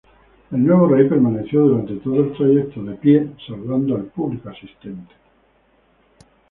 El nuevo rey permaneció durante todo el trayecto de pie, saludando al público asistente.